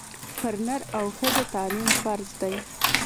پر نر او ښځه تعلیم فرض دی